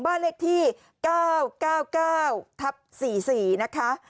บ้านเลขที่๙๙๙๙ทับ๔๔นะคะ